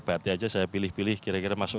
batik aja saya pilih pilih kira kira masuk